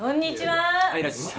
はい。